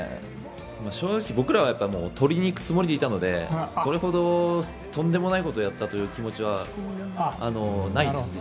正直僕らはとりにいくつもりでいったのでそれほど、とんでもないことをやったという気持ちはないです。